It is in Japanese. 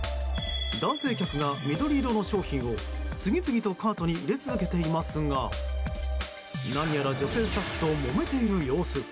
男性客が緑色の商品を次々とカートに入れ続けていますが何やら女性スタッフともめている様子。